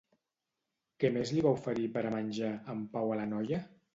Què més li va oferir per a menjar, en Pau a la noia?